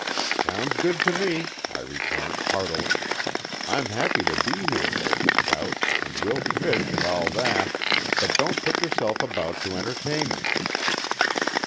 "Sounds good to me," I returned, heartily. "I'm happy to be here, old scout, and we'll fish and all that, but don't put yourself about to entertain me."